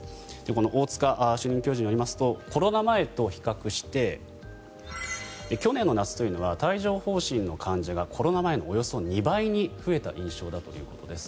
この大塚主任教授によりますとコロナ前と比較して去年の夏というのは帯状疱疹の患者がコロナ前のおよそ２倍に増えたという印象だということです。